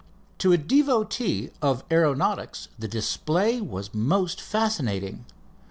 To a devotee of aeronautics the display was most fascinating.